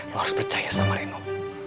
lo harus percaya sama reno